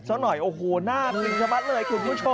สักหน่อยโอ้โฮน่ากินชะมัดเลยคุณผู้ชม